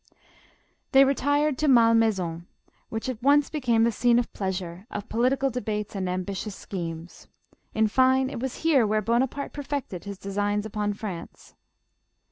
They retired to Malmaison, which at once became the scene of pleasure, of political debates and am bitious schemes, — in fine, it was here where Bonaparte perfected his designs upon France.